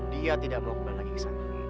dia tidak mau pulang lagi ke sana